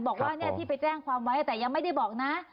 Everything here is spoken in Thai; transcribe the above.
บอกว่าที่ไปแจ้งความไว้แต่ยังไม่ได้บอกนะ